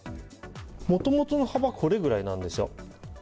もともとの幅、これぐらいなんですよ。